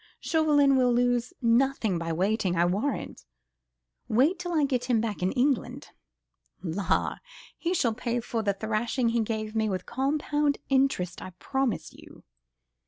Chauvelin will lose nothing by waiting, I warrant! Wait till I get him back to England!—La! he shall pay for the thrashing he gave me with compound interest, I promise you."